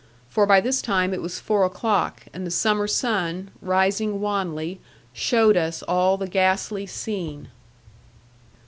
For by this time it was four o'clock, and the summer sun, rising wanly, showed us all the ghastly scene.